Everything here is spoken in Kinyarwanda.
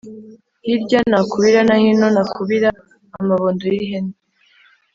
Hirya nakubira no hino nakubira.- Amabondo y'ihene.